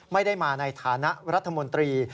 ไม่ได้มาในฐานะรัฐมนตรี